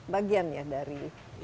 bagian ya dari